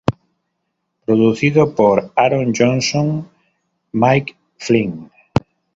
Producido por Aaron Johnson, Mike Flynn